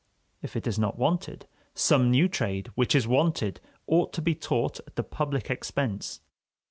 If it is not wanted, some new trade which is wanted ought to be taught at the public expense.